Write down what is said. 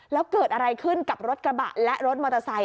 แล้วเกิดอะไรขึ้นกับรถกระบะและรถมอเตอร์ไซค